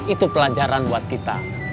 itu pelajaran buat kita